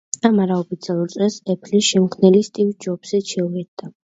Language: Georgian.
ამ არაოფიციალურ წრეს „ეფლის“ შემქმნელი სტივ ჯობსიც შეუერთდა.